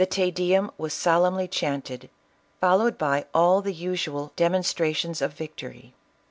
105 The To* Deum was solemnly chanted, followed by all the usual demonstrations of victory.